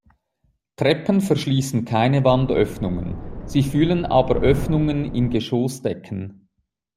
Treppen verschließen keine Wandöffnungen, sie füllen aber Öffnungen in Geschossdecken.